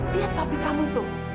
lihat papi kamu tuh